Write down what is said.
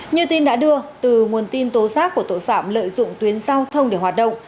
như tin đã đưa từ nguồn tin tố giác của tội phạm lợi dụng tuyến giao thông để hoạt động